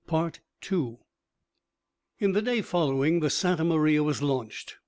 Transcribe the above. In the day following, the Santa Maria was launched.